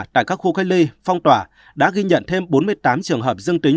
tại các khu cách ly phong tỏa đã ghi nhận thêm bốn mươi tám trường hợp dương tính